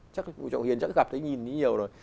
chắc trọng hiền gặp thấy nhìn nhiều rồi